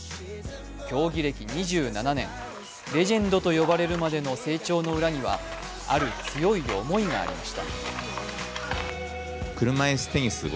競技歴２７年、レジェンドと呼ばれるまでの成長の裏には、ある強い思いがありました。